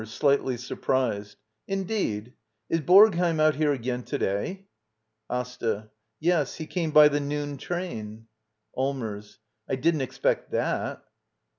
[Slightly surprised.] Indeed 1 Is Borgheim out here again to day? AsTA. Yes. He came by the noon train. Allmers. I didn't expect that.